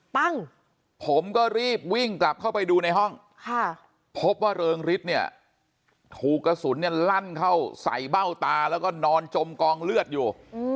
ผมก็รีบวิ่งกลับเข้าไปดูในห้องพบว่าเริงฤทธิ์เนี่ยถูกกระสุนเนี่ยลั่นเข้าใส่เบ้าตาแล้วก็นอนจมกองเลือดอยู่